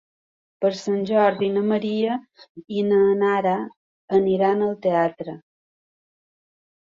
Per Sant Jordi na Maria i na Nara aniran al teatre.